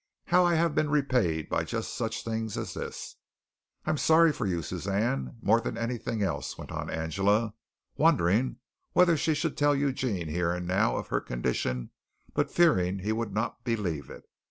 How I have been repaid by just such things as this? I'm sorry for you, Suzanne, more than anything else," went on Angela, wondering whether she should tell Eugene here and now of her condition but fearing he would not believe it.